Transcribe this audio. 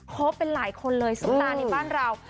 คบกันหลายคนเลยซุปตาในบ้านเรา